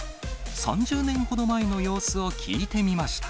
３０年ほど前の様子を聞いてみました。